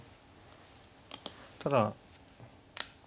ただ。